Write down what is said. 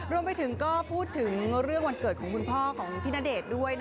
รวมไปถึงก็พูดถึงเรื่องวันเกิดของคุณพ่อของพี่ณเดชน์ด้วย